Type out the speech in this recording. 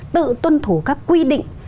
tự tuân thủ các quy định